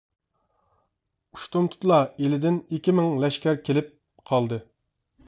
ئۇشتۇمتۇتلا ئىلىدىن ئىككى مىڭ لەشكەر كېلىپ قالدى.